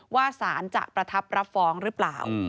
สารจะประทับรับฟ้องหรือเปล่า